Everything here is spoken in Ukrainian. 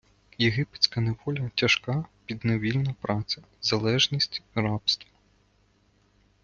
Єгипетська неволя - тяжка підневільна праця, залежність, рабство